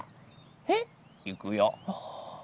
えっ？いくよ。